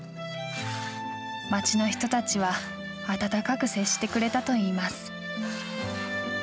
町の人たちは温かく接してくれたといいます。